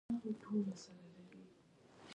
کندز سیند د افغانانو د اړتیاوو د پوره کولو وسیله ده.